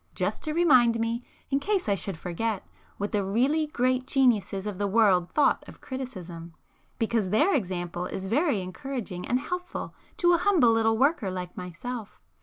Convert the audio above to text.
Just to remind me, in case I should forget, what the really great geniuses of the world thought of criticism,—because their example is very encouraging and helpful to a humble little worker like myself.